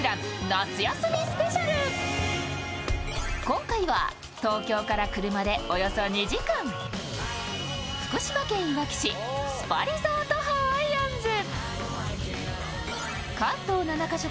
今回は東京から車でおよそ２時間福島県いわき市スパリゾートハワイアンズ。